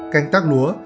canh tác lúa